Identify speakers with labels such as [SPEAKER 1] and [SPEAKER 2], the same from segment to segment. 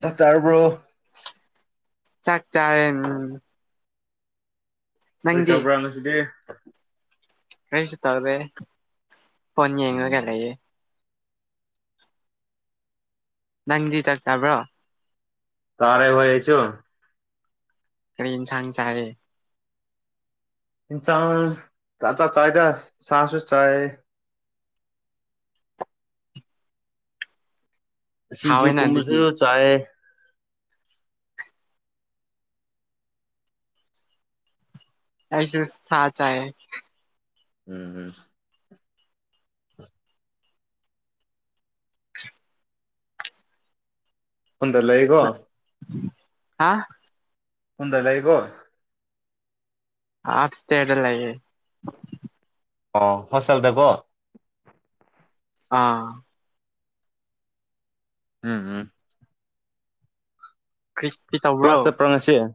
[SPEAKER 1] ꯆꯔꯔꯕ꯭ꯔꯣ
[SPEAKER 2] ꯆꯥꯛ ꯆꯔ
[SPEAKER 1] ꯑꯩꯣꯏ ꯇꯔ ꯄꯨ꯭ꯔ ꯉꯁꯤꯗꯤ
[SPEAKER 2] ꯍꯁꯤ ꯇ꯭ꯔꯦ ꯐꯣꯟ ꯌꯦꯡꯉꯒ ꯂꯩꯌꯦ ꯅꯪꯗꯤ ꯆꯥꯛ ꯆꯥꯕ꯭ꯔꯣ
[SPEAKER 1] ꯇꯥꯔꯦ ꯋꯥꯏ ꯑꯩꯁꯨ
[SPEAKER 2] ꯀꯔꯤ ꯏꯟꯁꯥꯡ ꯆꯥꯔꯦ
[SPEAKER 1] ꯆ ꯆ ꯆ ꯆꯥꯏꯗ ꯁꯥꯁꯨ ꯆꯥꯏꯌꯦ ꯁꯤꯡꯖꯨ
[SPEAKER 2] ꯍꯥꯎꯋꯦꯅ
[SPEAKER 1] ꯀꯨꯝꯕꯁꯨ
[SPEAKER 2] ꯑꯗꯨꯗꯤ
[SPEAKER 1] ꯆꯥꯏꯌ
[SPEAKER 2] ꯑꯩꯁꯨ ꯁꯥ ꯆꯥꯏꯌꯦ
[SPEAKER 1] ꯎꯝ ꯎꯝ ꯍꯣꯟꯗ ꯂꯩꯒꯣ
[SPEAKER 2] ꯍꯥ
[SPEAKER 1] ꯍꯣꯟꯗ ꯂꯩꯒꯣ
[SPEAKER 2] ꯑꯞꯁꯇꯦꯌꯔꯗ ꯂꯩꯌꯦ
[SPEAKER 1] ꯑꯣ ꯍꯣꯁꯇꯦꯜꯗꯒꯣ
[SPEAKER 2] ꯑꯥ
[SPEAKER 1] ꯎꯝ ꯎꯝ
[SPEAKER 2] ꯀꯔꯤ ꯀꯤ ꯇꯧꯕ꯭ꯔꯣ
[SPEAKER 1] ꯀ꯭ꯂꯥꯁ ꯆꯠꯄ꯭ꯔꯥ ꯉꯁꯤ ꯑꯣ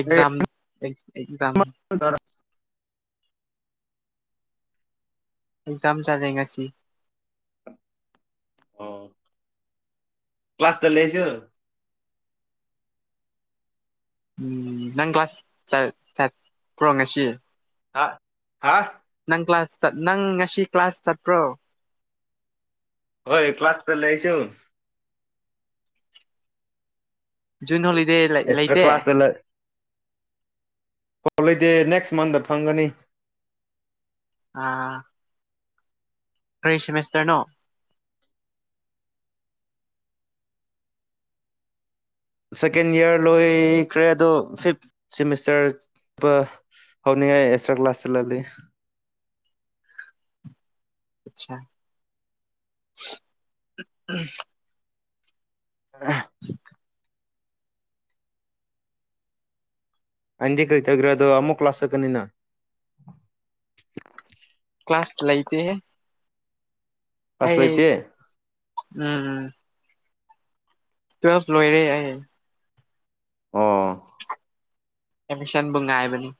[SPEAKER 2] ꯑꯦꯛꯖꯝ ꯑꯦ ꯖꯝ ꯑꯦꯖꯝ ꯆꯂꯦ ꯉꯁꯤ
[SPEAKER 1] ꯑꯣ ꯀ꯭ꯂꯁ ꯆꯂꯦꯁꯨ
[SPEAKER 2] ꯎꯝ ꯅꯪ ꯀ꯭ꯂꯥꯁ ꯆ ꯆꯠ ꯄ꯭ꯔꯣ ꯉꯁꯤ
[SPEAKER 1] ꯍꯥ ꯍꯥ
[SPEAKER 2] ꯅꯪ ꯀ꯭ꯂꯥꯁ ꯆꯠ ꯅꯪ ꯉꯁꯤ ꯀ꯭ꯂꯥꯁ ꯆꯠꯄ꯭ꯔꯣ
[SPEAKER 1] ꯍꯣꯏ ꯀ꯭ꯂꯥꯁ ꯆꯂꯦ ꯑꯩꯁꯨ
[SPEAKER 2] ꯌꯨꯟ ꯍꯣꯂꯤ ꯗꯦ ꯂꯩ
[SPEAKER 1] ꯑꯦꯛꯁꯇ꯭ꯔꯥ
[SPEAKER 2] ꯂꯩꯇꯦ
[SPEAKER 1] ꯀ꯭ꯂꯥꯁ ꯆꯠꯂꯦ ꯍꯣꯂꯤꯗꯦ ꯅꯦꯛꯁ ꯃꯟꯗ ꯐꯪꯒꯅꯤ
[SPEAKER 2] ꯑꯥ ꯀꯔꯤ ꯁꯦꯃꯤꯁꯇꯔꯅꯣ
[SPEAKER 1] ꯁꯦꯀꯦꯟ ꯏꯌꯥꯔ ꯂꯣꯏꯈ꯭ꯔꯦ ꯑꯗꯣ ꯐꯤꯞ ꯁꯤꯃꯤꯁꯇꯔ ꯄ ꯍꯧꯅꯤꯡꯉꯥꯏ ꯑꯦꯛꯁꯇ꯭ꯔꯥ ꯀ꯭ꯂꯥꯁ ꯆꯠꯍꯜꯂꯤ
[SPEAKER 2] ꯑꯆꯥ
[SPEAKER 1] [unintelligible]
[SPEAKER 2] [unintelligible]
[SPEAKER 1] ꯑꯟꯗꯤ ꯀꯔꯤ ꯇꯒ꯭ꯔꯥ ꯑꯗꯣ ꯑꯃꯨꯛ ꯂꯥꯛꯁ ꯆꯥꯠꯀꯅꯤꯅ
[SPEAKER 2] ꯀ꯭ꯂꯥꯁ ꯂꯩꯥꯏꯇꯦꯍꯦ
[SPEAKER 1] ꯀ꯭ꯂꯥꯁ ꯂꯩꯇꯦ
[SPEAKER 2] ꯑꯩ ꯎꯝ ꯎꯝ ꯇ꯭ꯋꯦꯜꯚ ꯂꯣꯏꯔꯦ ꯑꯩ
[SPEAKER 1] ꯑꯣ
[SPEAKER 2] ꯑꯦꯃꯤꯁꯟꯕꯨ ꯉꯥꯏꯕꯅꯤ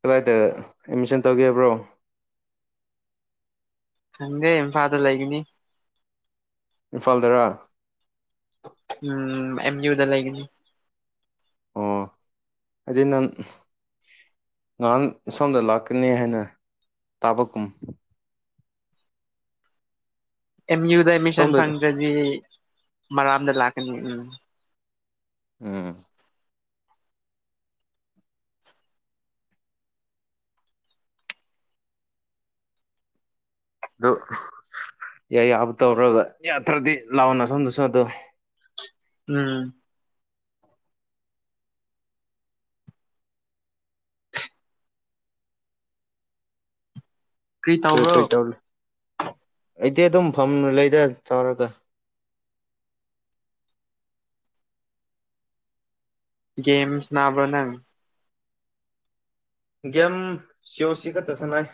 [SPEAKER 1] ꯀꯗꯥꯏꯗ ꯑꯦꯠꯃꯤꯁꯟ ꯇꯧꯒꯦꯕ꯭ꯔꯣ
[SPEAKER 2] ꯊꯪꯒꯦ ꯏꯝꯐꯥꯜꯗ ꯂꯩꯒꯅꯤ
[SPEAKER 1] ꯏꯝꯐꯥꯜꯗꯔꯥ
[SPEAKER 2] ꯎꯝ ꯑꯦꯝꯗꯤ ꯥ ꯂꯒ
[SPEAKER 1] ꯑꯣ ꯍꯥꯏꯗꯤ ꯅꯪ ꯉꯍꯥꯟ ꯁꯣꯝꯗ ꯂꯥꯛꯀꯅꯤ ꯍꯥꯏꯅ ꯇꯥꯕ ꯀꯨꯝ
[SPEAKER 2] ꯑꯦꯝ ꯌꯨꯗ ꯑꯦꯗꯃꯤꯁꯟ
[SPEAKER 1] ꯁꯣꯝꯗꯗꯤ
[SPEAKER 2] ꯐꯪ꯭ꯔꯗꯤ ꯃꯔꯝꯗ ꯂꯥꯛꯀꯅꯤ ꯎꯝ
[SPEAKER 1] ꯎꯝ ꯑꯗꯨ ꯌꯥꯏ ꯌꯥꯕ ꯇꯧꯔꯒ ꯌꯥꯊ꯭ꯔꯗꯤ ꯂꯥꯛꯑꯣꯅ ꯁꯣꯝꯗꯁꯨꯗ ꯑꯗꯨ
[SPEAKER 2] ꯎꯝ ꯀ
[SPEAKER 1] ꯀꯔꯤ
[SPEAKER 2] ꯇꯥꯎꯕꯣ
[SPEAKER 1] ꯀꯔꯤ ꯇꯧꯔꯤ ꯑꯩꯗꯤ ꯑꯗꯨꯝ ꯐꯝꯅ ꯂꯩꯗ ꯆꯥꯎꯔꯒ
[SPEAKER 2] ꯒꯝꯁ ꯅꯅꯥꯕ ꯅꯪ
[SPEAKER 1] ꯒꯦꯝ ꯁꯤꯑꯣꯣꯁꯤ ꯈꯛꯇ ꯁꯅꯥꯏ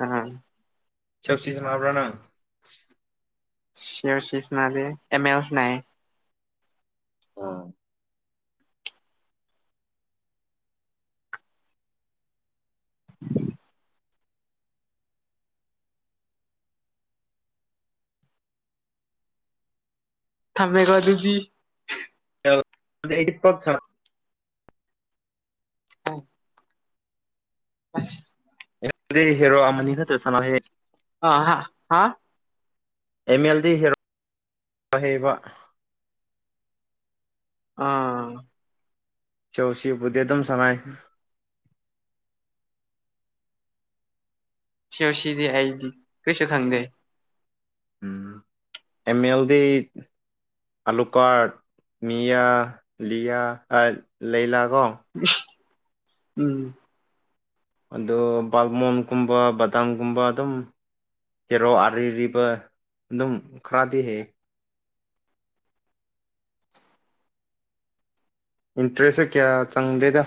[SPEAKER 2] ꯎꯝ
[SPEAKER 1] ꯁꯁꯤ ꯁꯥꯟꯅꯕ꯭ꯔ ꯅꯪ
[SPEAKER 2] ꯁꯦꯌꯔꯁꯤꯁ ꯅꯗ ꯑꯦꯦꯝ ꯑꯦꯜꯁ ꯅ
[SPEAKER 1] ꯑꯝ
[SPEAKER 2] ꯊꯃꯦ ꯀꯗꯗꯤ
[SPEAKER 1] ꯑꯦꯗꯤ ꯄꯠ
[SPEAKER 2] [inaudible] ꯑꯁ
[SPEAKER 1] ꯗꯤ ꯍꯦꯔꯣ ꯑꯃꯅꯤ ꯅꯠꯇ꯭ꯔ ꯁꯅꯍꯦ
[SPEAKER 2] ꯑ ꯍꯥ ꯍꯥꯥ
[SPEAKER 1] ꯑꯦꯝ ꯑꯦꯜꯗꯤ ꯍꯦꯔꯣꯏ ꯍꯩꯕ
[SPEAKER 2] ꯑꯥ
[SPEAKER 1] ꯆꯧꯁꯤꯕꯨꯗꯤ ꯑꯗꯨꯝ ꯁꯉꯥꯏ
[SPEAKER 2] ꯁꯤ ꯑꯣ ꯁꯤꯗꯤ ꯑꯩꯗꯤ ꯀꯁꯨ ꯊꯪꯗꯦ
[SPEAKER 1] ꯎ ꯑꯦꯝ ꯑꯦꯜꯗꯤ ꯑꯂꯨꯀꯥꯔ ꯃꯌꯥ ꯂꯤꯂꯤꯌꯥ ꯂꯩꯂ
[SPEAKER 2] ꯎ ꯎꯝ
[SPEAKER 1] ꯑ ꯕꯥꯜꯃꯣꯟꯒꯨꯝꯕ ꯕꯗꯥꯝꯒꯨꯝꯕ ꯑꯗꯨꯝ ꯀꯦꯔꯣ ꯑꯔꯤꯔꯤꯕ ꯑꯗꯨꯝ ꯈꯔꯗꯤ ꯍꯦꯛ ꯏꯟꯇꯔꯦꯁꯦ ꯀꯌꯥ ꯆꯪꯗꯦꯗ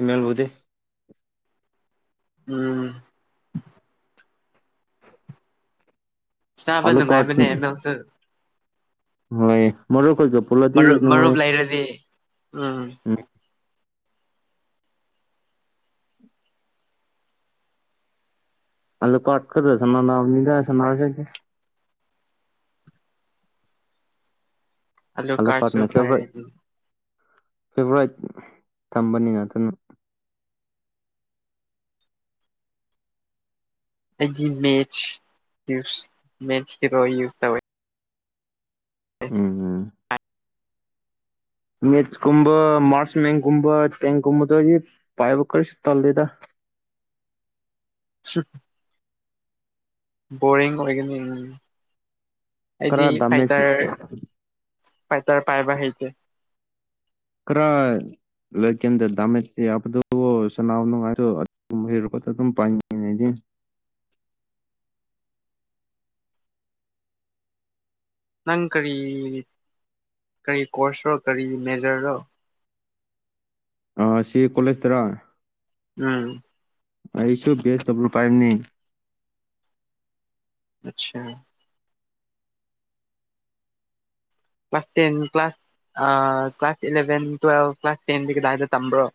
[SPEAKER 1] ꯏꯃꯦꯜꯕꯨꯗꯤ
[SPEAKER 2] ꯎꯝ ꯆꯕ
[SPEAKER 1] ꯑꯥꯂꯨ ꯀꯥꯔꯠ
[SPEAKER 2] ꯃꯕꯅꯦꯃꯦꯁ
[SPEAKER 1] ꯍꯣꯏ ꯃꯔ ꯑꯩꯈꯣꯏꯒ ꯄꯂꯗꯤ
[SPEAKER 2] ꯃꯔꯨꯞ
[SPEAKER 1] ꯅꯅꯨꯡꯉꯥꯏ
[SPEAKER 2] ꯃꯔꯨꯞ ꯂꯩꯔꯗꯤ
[SPEAKER 1] ꯎꯝ ꯑꯜꯂꯣ ꯀꯠꯀꯗ ꯁ ꯅꯒꯁꯅꯁꯦ
[SPEAKER 2] ꯑꯜꯂꯣ ꯀꯥꯁꯨꯄ
[SPEAKER 1] ꯐꯦꯕꯋꯥꯔꯤ ꯇꯝꯕꯅꯤꯅ ꯑꯗꯨꯅ
[SPEAKER 2] ꯑꯩꯒꯤ ꯃꯦꯆꯁ ꯃꯦꯆ ꯍꯔꯣ ꯌꯁ ꯇ
[SPEAKER 1] ꯎꯝ ꯎꯝ ꯃꯤꯆꯀꯨꯝꯕ ꯃꯥꯁꯃꯦꯟꯒꯨꯝꯕ ꯇꯦꯡꯒꯨꯝꯕꯗꯣ ꯄꯥꯏꯕꯈꯔꯁꯨ ꯇꯜꯂꯤꯗ
[SPEAKER 2] ꯁꯨꯠ ꯕꯣꯔꯔꯤꯡ ꯑꯣꯏꯒꯅꯤ ꯌꯦ ꯍꯥꯏꯗꯤ
[SPEAKER 1] ꯈꯔ ꯗꯥꯃꯦꯖ
[SPEAKER 2] ꯐꯥꯏꯇꯔ ꯐꯥꯏꯇꯔ ꯄꯥꯏꯕ ꯍꯩꯇꯦ
[SPEAKER 1] ꯈꯔ ꯂꯩꯀꯝꯗ ꯗꯥꯃꯦꯁꯤ ꯍꯥꯕꯗꯨ ꯁꯅꯥꯎ ꯅꯨꯡꯉꯥꯏ ꯑꯗꯨꯒꯨꯝꯕꯩ ꯔꯨꯄ ꯑꯗꯨꯝ ꯄꯥꯏꯅꯤꯡꯏ ꯑꯩꯗꯤ
[SPEAKER 2] ꯅꯪ ꯀꯔꯤ ꯀꯔꯤ ꯀꯣꯔꯁꯔꯣ ꯀꯔꯤ ꯃꯦꯖꯔꯔꯣ
[SPEAKER 1] ꯑ ꯑꯁꯤ ꯀꯣꯂꯦꯖ ꯇꯔꯥ
[SPEAKER 2] ꯎꯝ
[SPEAKER 1] ꯑꯩꯁꯨ ꯕꯤꯍꯗꯕꯨꯏ ꯄꯥꯏꯅꯤꯡ
[SPEAKER 2] ꯑꯆꯥꯥ class ten class class eleven ꯇꯨꯋꯦꯜꯕ ꯀ꯭ꯂꯥꯁ ꯇꯦꯟꯗꯤ ꯀꯗꯥꯏꯗ ꯇꯝꯕ꯭ꯔꯣ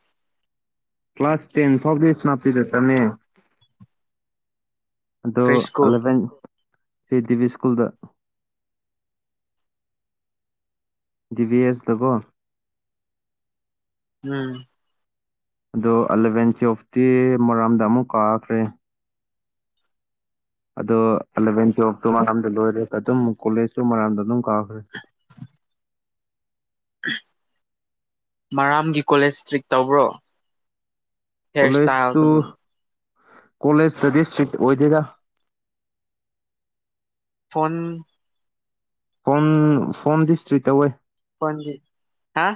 [SPEAKER 1] ꯀ꯭ꯂꯥꯁ ꯇꯦꯟ ꯐꯥꯎꯗꯝ ꯁꯤꯅꯄꯇꯤꯗ ꯇꯝꯃꯦ ꯑꯗꯣ
[SPEAKER 2] ꯀꯔꯤ ꯁ꯭ꯀꯨꯜ
[SPEAKER 1] ꯑꯦꯂꯚꯦꯟ ꯁꯤ ꯗꯦꯕꯤ ꯁ꯭ꯀꯨꯜꯗ ꯗꯤꯚꯤ ꯑꯦꯁ ꯗꯀꯣ
[SPEAKER 2] ꯎꯝ
[SPEAKER 1] ꯑꯗꯣ ꯑꯦꯂꯚꯦꯟ ꯇꯨꯌꯦꯞꯇꯤ ꯃꯣꯔꯥꯝꯗ ꯑꯃꯨꯛ ꯀꯥꯈ꯭ꯔꯦ ꯑꯗꯣ ꯑꯦꯂꯚꯦꯟ ꯇꯨꯋꯦꯜꯇꯨ ꯃꯔꯥꯝꯗ ꯂꯣꯏꯔꯦ ꯑꯗꯨꯝ ꯀꯣꯂꯦꯖꯁꯨ ꯃꯔꯥꯝꯗ ꯑꯗꯨꯝ ꯀꯥꯈ꯭ꯔꯦ
[SPEAKER 2] ꯃꯔꯥꯝꯒꯤ ꯀꯣꯂꯦꯖ ꯇ꯭ꯔꯤꯛ ꯇꯧꯕ꯭ꯔꯣ ꯍ꯭ꯔꯦ ꯏꯁꯇꯥꯜ ꯒꯗꯨ
[SPEAKER 1] ꯀꯣꯂꯦꯖꯇ ꯏꯁꯇ꯭ꯔꯤꯛ ꯑꯣꯏꯗꯦꯗ
[SPEAKER 2] ꯐꯣꯟ
[SPEAKER 1] ꯐꯣꯟ ꯐꯣꯟꯗꯤ ꯏꯁꯇ꯭ꯔꯤ ꯇꯧꯋꯦ
[SPEAKER 2] ꯍꯥ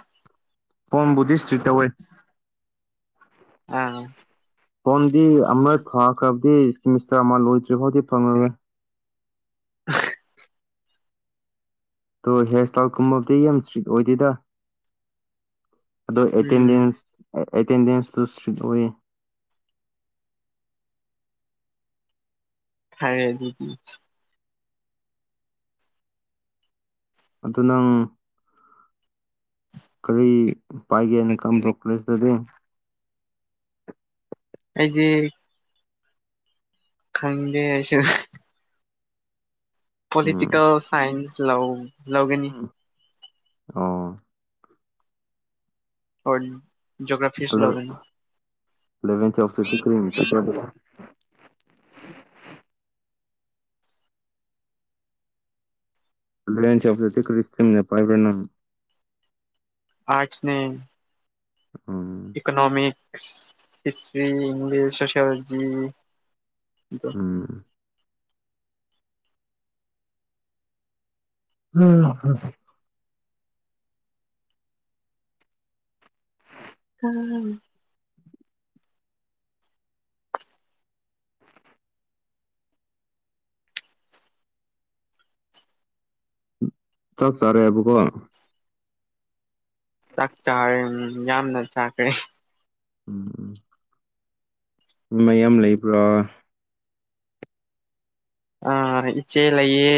[SPEAKER 1] ꯐꯣꯟ ꯕꯨꯗꯤ ꯏꯁꯇ꯭ꯔꯤ ꯇꯧꯋꯦ
[SPEAKER 2] ꯑꯥ
[SPEAKER 1] ꯐꯣꯟꯗꯤ ꯑꯃ ꯐꯈ꯭ꯔꯕꯗꯤ ꯁꯤꯃꯤꯁꯇꯔ ꯑꯃ ꯂꯣꯏꯗ꯭ꯔꯤ ꯐꯥꯎꯗꯤ ꯐꯪꯉꯔꯣꯏ
[SPEAKER 2] [unintelligible]
[SPEAKER 1] ꯇꯣ ꯍꯤꯌꯥꯔ ꯏꯁꯇꯥꯏꯜ ꯀꯨꯝꯃꯕꯗꯤ ꯌꯥꯝ ꯏꯁꯇ꯭ꯔꯤꯠ ꯑꯣꯏꯗꯦꯗ ꯑꯗꯨꯗ
[SPEAKER 2] ꯎꯝ
[SPEAKER 1] ꯑꯇꯦꯟꯗꯦꯁ ꯑꯇꯦꯟꯗꯦꯁꯇꯨ ꯏꯁꯇ꯭ꯔꯤꯠ ꯑꯣꯏꯌꯦ
[SPEAKER 2] ꯍꯥꯏ
[SPEAKER 1] ꯑꯗꯨ ꯅꯪ ꯀꯔꯤ ꯄꯥꯏꯒꯦꯅ ꯈꯟꯕ꯭ꯔꯣ ꯀꯣꯂꯦꯁꯇꯗꯤ
[SPEAKER 2] ꯑꯩꯒꯤ ꯈꯟꯗꯦ ꯑꯩꯁꯨ
[SPEAKER 1] ꯎꯝ
[SPEAKER 2] ꯄꯣꯂꯤꯇꯀꯦꯜ ꯁꯥꯏꯟꯁ ꯂꯧ ꯂꯧꯒꯅꯤ
[SPEAKER 1] ꯑꯣ
[SPEAKER 2] ꯍꯣꯏ ꯖꯣꯒ꯭ꯔꯥꯐꯤꯁ ꯂꯧꯒꯅꯤ
[SPEAKER 1] ꯑꯦꯂꯚꯦꯟ ꯇꯨꯌꯦꯞꯇꯁꯨ ꯀꯔꯤ ꯈꯟꯕ꯭ꯔ ꯑꯗꯨꯘꯤ ꯑꯦꯂꯚꯦꯟ ꯇꯨꯌꯦꯞ ꯇꯗꯤ ꯀꯔꯤ ꯏꯁꯇꯤꯝ ꯄꯥꯏꯕ꯭ꯔ ꯅꯪ
[SPEAKER 2] ꯑꯦꯁꯅꯦ
[SPEAKER 1] ꯎ
[SPEAKER 2] ꯏꯀꯅꯣꯃꯤꯛꯁ ꯍꯤꯁꯇ꯭ꯔꯤ ꯏꯪꯂꯤꯁ ꯁꯣꯁꯤꯑꯣꯂꯣꯖꯤ
[SPEAKER 1] ꯎꯝ ꯎꯝ
[SPEAKER 2] ꯎꯝ
[SPEAKER 1] ꯆꯥꯛ ꯆꯥꯔꯦ ꯑꯕꯀꯣ
[SPEAKER 2] ꯆꯥꯛ ꯆꯥꯔꯦ ꯌꯥꯝꯅ ꯆꯥꯈ꯭ꯔꯦ
[SPEAKER 1] ꯎꯝ ꯎꯝ ꯃꯌꯥꯝ ꯂꯩꯕ꯭ꯔꯥ
[SPEAKER 2] ꯑꯥ ꯏꯆꯦ ꯂꯩꯌꯦ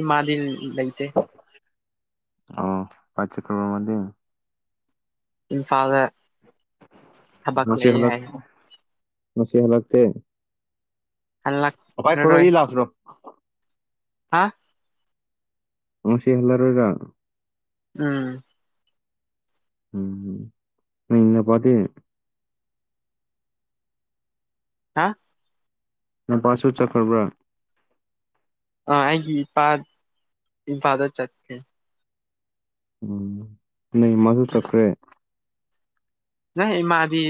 [SPEAKER 2] ꯏꯃꯥꯗꯤ ꯂꯩꯇꯦ
[SPEAKER 1] ꯑ ꯀꯥꯏ ꯆꯀ꯭ꯔꯕꯔ ꯃꯗꯤ
[SPEAKER 2] ꯏꯟꯐꯥꯜꯗ
[SPEAKER 1] ꯉꯁꯤ ꯍꯂꯛ ꯉꯁꯤ ꯍꯜꯂꯛꯇꯦ ꯄꯥꯄꯥꯏ ꯈꯣꯏꯔꯣ
[SPEAKER 2] ꯍꯜꯂꯛꯅꯔꯣꯏ
[SPEAKER 1] ꯏ ꯂꯥꯛꯇ꯭ꯔꯣ
[SPEAKER 2] ꯍꯥ
[SPEAKER 1] ꯉꯁꯤ ꯍꯜꯂꯔꯣꯏꯔꯥ
[SPEAKER 2] ꯎꯝ
[SPEAKER 1] ꯎꯝ ꯅꯄꯗꯤ
[SPEAKER 2] ꯍꯥ
[SPEAKER 1] ꯃꯄꯥꯁꯨ ꯆꯠꯈ꯭ꯔꯕ꯭ꯔꯥ
[SPEAKER 2] ꯑꯩꯒꯤ ꯏꯄꯥ ꯏꯐꯥꯜꯗ ꯆꯠꯀꯦ
[SPEAKER 1] ꯎꯝ ꯅ ꯃꯥꯁꯨ ꯆꯠꯈ꯭ꯔꯦ
[SPEAKER 2] ꯅꯪ ꯏꯃꯥꯗꯤ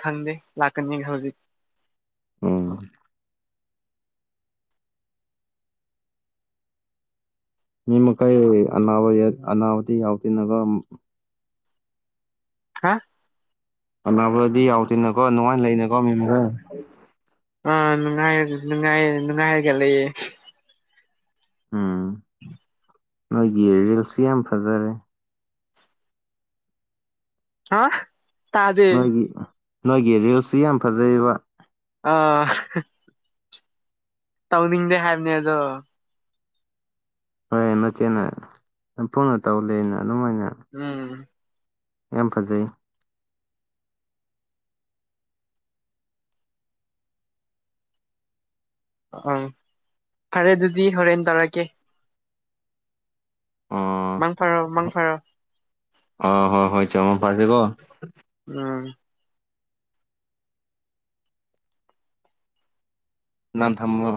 [SPEAKER 2] ꯈꯪꯗꯦ ꯂꯥꯛꯀꯅꯤ ꯍꯧꯖꯤꯛ
[SPEAKER 1] ꯎꯝ ꯃꯤꯃ ꯀꯥꯏ ꯑꯅꯥ ꯑꯅꯥꯍꯇ ꯑꯇ ꯅꯒ
[SPEAKER 2] ꯍꯥ
[SPEAKER 1] ꯑꯅꯥꯕꯗꯤ ꯌꯥꯎꯗꯦꯅꯀꯣ ꯅꯨꯡꯉꯥꯏꯅ ꯂꯩꯅꯀꯣ ꯃꯤ ꯃꯔ
[SPEAKER 2] ꯑꯥ ꯅꯨꯡꯉꯥꯏꯔꯦ ꯅꯨꯡꯉꯥꯏ ꯅꯨꯡꯉꯥꯏꯔꯒ ꯂꯩꯌꯦ
[SPEAKER 1] ꯎꯝ ꯅꯣꯏꯒꯤ ꯔꯤꯜꯁꯁꯨ ꯌꯥꯝ ꯐꯖꯔꯦ
[SPEAKER 2] ꯍꯥ ꯇꯥꯗꯦ
[SPEAKER 1] ꯅꯣꯏꯒꯤ ꯅꯣꯏꯒꯤ ꯔꯤꯜꯁꯁꯤ ꯌꯥꯝ ꯐꯖꯩꯕ
[SPEAKER 2] ꯑꯥ ꯇꯧꯅꯤꯡꯗꯦ ꯍꯥꯏꯕꯅꯦ ꯑꯗꯣ
[SPEAKER 1] ꯐꯔꯦ ꯅꯆꯦꯅ ꯌꯥꯝ ꯐꯨꯅ ꯇꯧ ꯂꯩ ꯑꯅ ꯑꯗꯨꯃꯥꯏꯅ
[SPEAKER 2] ꯎꯝ
[SPEAKER 1] ꯌꯥꯝ ꯐꯖꯩ
[SPEAKER 2] ꯑꯥ ꯐꯔꯦ ꯑꯗꯨꯗꯤ ꯍꯣꯔꯦꯟ ꯇꯧꯔꯛꯀꯦ
[SPEAKER 1] ꯑꯣ
[SPEAKER 2] ꯃꯪ ꯐꯔꯣ ꯃꯪ ꯐꯔꯣ
[SPEAKER 1] ꯑ ꯍꯣ ꯍꯣꯏ ꯆ ꯃꯪ ꯐꯔꯁꯤꯀꯣ
[SPEAKER 2] ꯎꯝ
[SPEAKER 1] ꯅꯪ ꯊꯝꯃꯣ